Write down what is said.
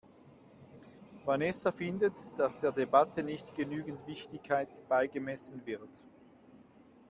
Vanessa findet, dass der Debatte nicht genügend Wichtigkeit beigemessen wird.